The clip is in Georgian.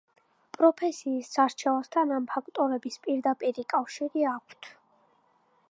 პროფესიის არჩევასთან ამ ფაქტორების პირდაპირი კავშირი აქვთ.